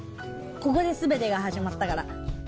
ここで全てが始まったから。